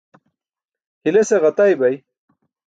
hilese ġatay bay